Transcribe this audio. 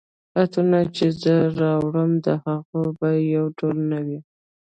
عطرونه چي زه راوړم د هغوی بیي یو ډول نه وي